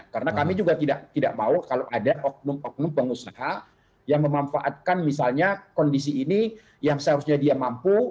karena kami juga tidak mau kalau ada oknum oknum pengusaha yang memanfaatkan misalnya kondisi ini yang seharusnya dia mampu